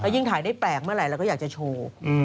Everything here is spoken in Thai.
ยิ่งถ่ายได้แปลกเมื่อไหร่เราก็อยากจะโชว์